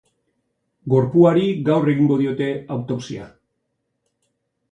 Gorpuari gaur egingo diote autopsia.